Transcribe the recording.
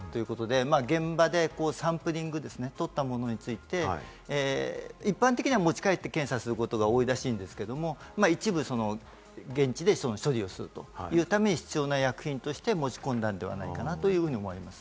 地質調査などということで、現場でサンプリングですね、とったものについて、一般的には持ち帰って検査することが多いらしいんですけれども、一部現地で処理をするというために必要な医薬品として持ち込んだのではないかと思います。